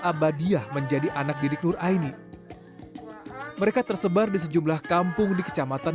abadiah menjadi anak didik nur aini mereka tersebar di sejumlah kampung di kecamatan